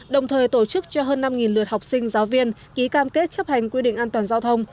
đồng thời tổ chức cho hơn năm lượt học sinh giáo viên ký cam kết chấp hành quy định an toàn giao thông